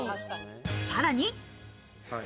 さらに。